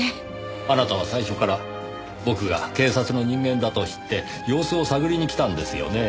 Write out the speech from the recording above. あなたは最初から僕が警察の人間だと知って様子を探りに来たんですよね？